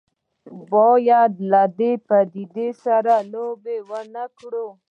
باید له دې پدیدې سره لوبې ونه کړو.